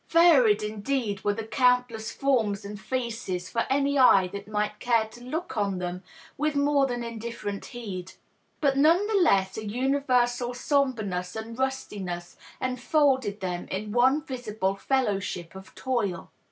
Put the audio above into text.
Varied indeed were the countless forms and feces for any eye that might care to look on them with more than indiflerent heed. But none the less a universal sombreness and rustiness enfolded them in one visible fellowship of toil.